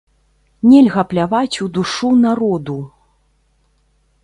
Нельга пляваць у душу народу!